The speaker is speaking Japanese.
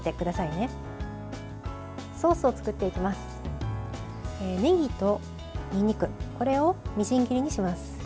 ねぎとにんにくをみじん切りにします。